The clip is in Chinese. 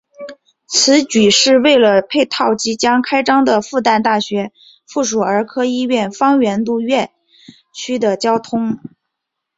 此举是为了配套即将开张的复旦大学附属儿科医院万源路院区的交通。